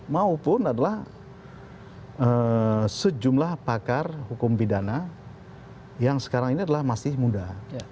maupun adalah sejumlah pakar hukum pidana yang sekarang ini adalah masih muda